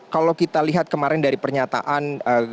kalau kita lihat kemarin dari pernyataan